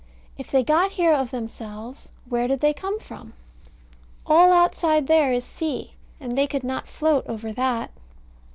If they got here of themselves, where did they come from? All outside there is sea; and they could not float over that.